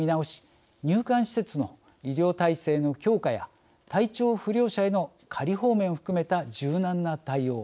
入管施設の医療体制の強化や体調不良者への仮放免を含めた柔軟な対応